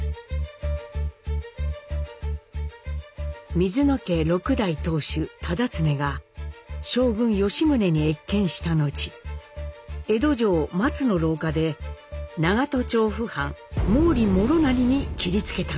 水野家６代当主・忠恒が将軍・吉宗に謁見した後江戸城・松の廊下で長門長府藩毛利師就に斬りつけたのです。